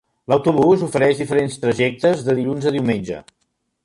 L'autobús ofereix diferents trajectes de dilluns a diumenge.